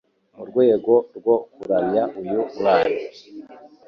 mu rwego rwo kuramya uyu mwana